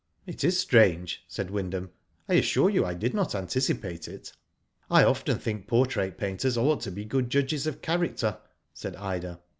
" It is strange/' said Wyndham. I assure you I did not anticipate it." *'I often think portrait painters ought to be good judges of character," said Ida.